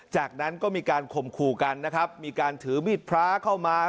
จากนั้นก็มีการข่มขู่กันนะครับมีการถือมีดพระเข้ามา